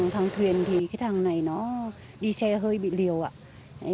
thang thuyền thì cái thằng này nó đi xe hơi bị liều ạ